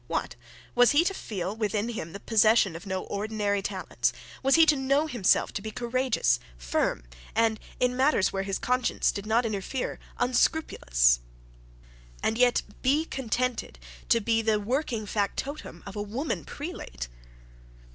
What! Was he to feel within him the possession of no ordinary talents; was he to know himself to be courageous, firm, and, in matters where his conscience did not interfere, unscrupulous; and yet be contented to be the working factotum of a woman prelate?